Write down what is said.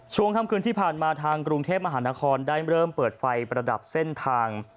ช่วงค่ำคืนที่ผ่านมาทางกรุงเทพมหานครได้เริ่มเปิดไฟประดับเส้นทาง